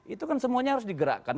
itu kan semuanya harus digerakkan